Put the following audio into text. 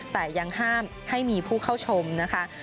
แต่ยังห้ามให้มีผู้เข้าชมนะคะ